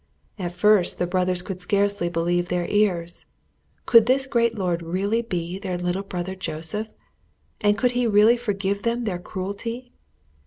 At first the brothers could scarcely believe their ears. Could this great lord really be their little brother Joseph? And could he really forgive them their cruelty?